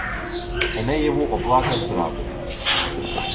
Енеєву оплакать зраду